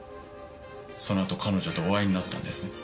そのあと彼女とお会いになったんですね？